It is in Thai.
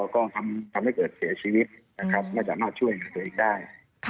ก็ทำให้เกิดเสียชีวิตได้มันจะมาช่วยอยู่อีกได้